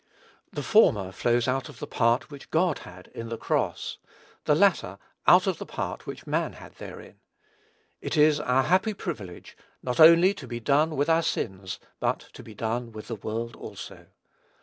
The former flows out of the part which God had in the cross; the latter out of the part which man had therein. It is our happy privilege, not only to be done with our sins, but to be done with the world also.